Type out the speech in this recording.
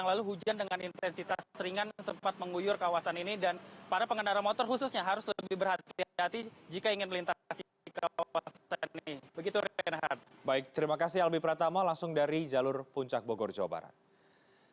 albi pratama pembelakuan prioritas kendaraan jawa barat sampai jumpa di jalur puncak bogor jawa barat pada jam dua belas